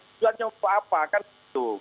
itu hanya untuk apa kan itu